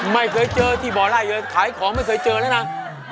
ไม่เคยเจอที่บ่อไล่เลยขายของไม่เคยเจอแล้วนะ